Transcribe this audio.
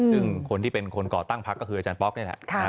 ซึ่งคนที่เป็นคนก่อตั้งพักก็คืออาจารย์ป๊อกนี่แหละ